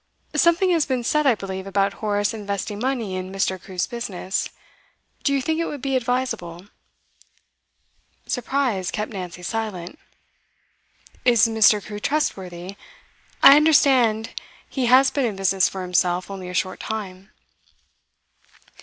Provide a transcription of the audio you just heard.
'Something has been said, I believe, about Horace investing money in Mr. Crewe's business. Do you think it would be advisable?' Surprise kept Nancy silent. 'Is Mr. Crewe trustworthy? I understand he has been in business for himself only a short time.